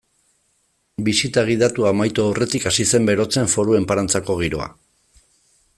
Bisita gidatua amaitu aurretik hasi zen berotzen Foru Enparantzako giroa.